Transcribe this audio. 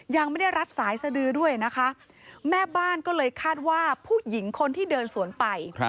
ยังไม่ได้รับสายสดือด้วยนะคะแม่บ้านก็เลยคาดว่าผู้หญิงคนที่เดินสวนไป